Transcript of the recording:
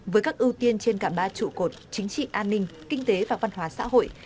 với các ưu tiên trên cả ba trụ cột chính trị an ninh kinh tế và văn hóa xã hội